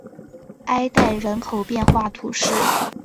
埃代人口变化图示